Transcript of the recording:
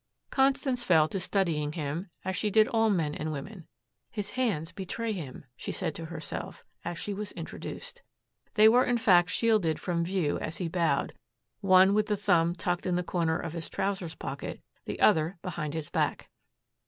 Constance fell to studying him, as she did all men and women. "His hands betray him," she said to herself, as she was introduced. They were in fact shielded from view as he bowed, one with the thumb tucked in the corner of his trousers pocket, the other behind his back.